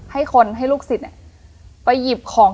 ให้คนให้ลูกศิษย์ไปหยิบของ